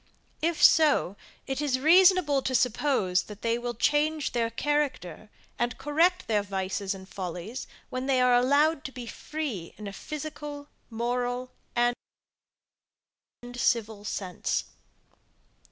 If so, it is reasonable to suppose, that they will change their character, and correct their vices and follies, when they are allowed to be free in a physical, moral, and civil sense.